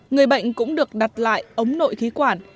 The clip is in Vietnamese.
người bệnh cũng được đặt lại ống nội khí quản